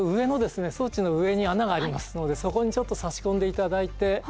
装置の上に穴がありますのでそこにちょっと差し込んでいただいて。